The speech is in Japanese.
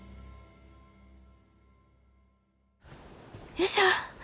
よいしょ。